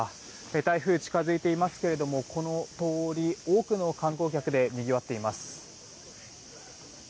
台風は近づいていますけどもこの通り、多くの観光客でにぎわっています。